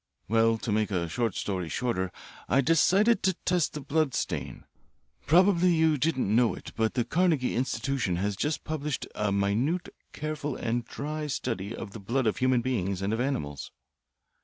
Well, to make a short story shorter, I decided to test the blood stain. Probably you didn't know it, but the Carnegie Institution has just published a minute, careful, and dry study of the blood of human beings and of animals.